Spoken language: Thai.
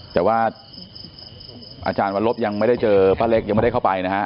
แต่ว่าอาจารย์วันลบยังไม่ได้เจอป้าเล็กยังไม่ได้เข้าไปนะฮะ